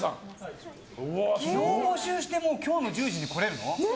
昨日募集して今日の１０時に来れるの？